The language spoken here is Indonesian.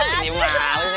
ini mahal sih tante